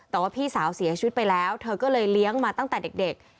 แต่ว่าพี่สาวเสียชีวิตไปแล้วเธอก็เลยเลี้ยงมาตั้งแต่เด็ก